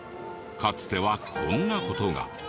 かつてはこんな事が。